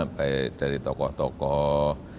baik dari tokoh tokoh